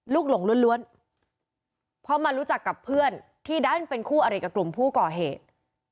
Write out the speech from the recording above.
หลงล้วนเพราะมารู้จักกับเพื่อนที่ดันเป็นคู่อริกับกลุ่มผู้ก่อเหตุ